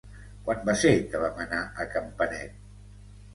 Quan va ser que vam anar a Campanet?